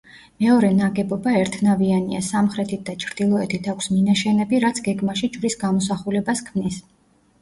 მეორე ნაგებობა ერთნავიანია, სამხრეთით და ჩრდილოეთით აქვს მინაშენები, რაც გეგმაში ჯვრის გამოსახულებას ქმნის.